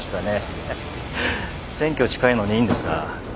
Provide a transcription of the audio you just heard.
選挙近いのにいいんですか？